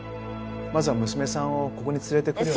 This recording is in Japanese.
まずは娘さんをここに連れて来るように。